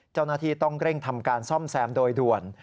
เจ้าหน้าที่ต้องเร่งทำการซ่อมแซมโดยด่วน